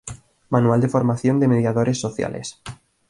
Manual de formación de mediadores sociales.